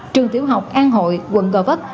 trường tiểu học an hội quận gò vất